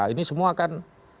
ini semua kan